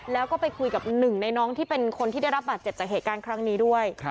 แล้วก็ไปคุยกับหนึ่งในน้องที่เป็นคนที่ได้รับบาดเจ็บจากเหตุการณ์ครั้งนี้ด้วย